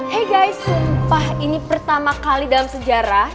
hey guys sumpah ini pertama kali dalam sejarah